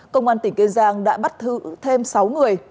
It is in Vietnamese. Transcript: công an tỉnh kiên giang đã bắt thử thêm sáu người